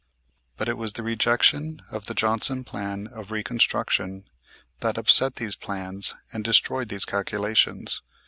But it was the rejection of the Johnson Plan of Reconstruction that upset these plans and destroyed these calculations.